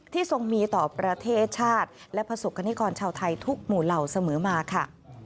ทรงมีต่อประเทศชาติและประสบกรณิกรชาวไทยทุกหมู่เหล่าเสมอมาค่ะ